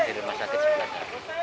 di rumah sakit sembilan hari